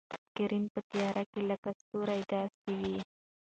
سکرین په تیاره کې لکه ستوری داسې و.